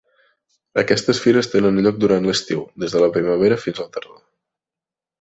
Aquestes fires tenen lloc durant l'estiu, des de la primavera fins a la tardor.